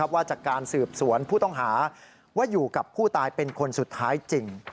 ว่าจากการสืบสวนผู้ต้องหาว่าอยู่กับผู้ตายเป็นคนสุดท้ายจริง